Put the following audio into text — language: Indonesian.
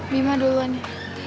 mima duluan ya